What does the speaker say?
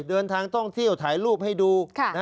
เดินทางท่องเที่ยวถ่ายรูปให้ดู